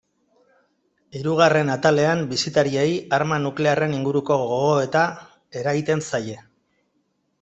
Hirugarren atalean bisitariei arma nuklearren inguruko gogoeta eragiten zaie.